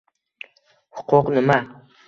Huquq nima?